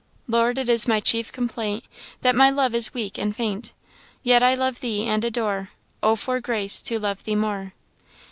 "Lord, it is my chief complaint That my love is weak and faint; Yet I love thee and adore Oh for grace to love thee more!"